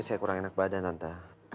saya kurang enak badan nanta